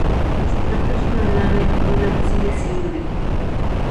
Su planta es una nave y un ábside cilíndrico.